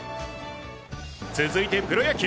続いて、プロ野球。